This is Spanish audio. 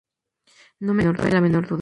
No me cabe la menor duda".